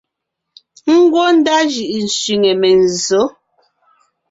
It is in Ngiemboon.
Ngwɔ́ ndá jʉʼʉ sẅiŋe menzsǒ.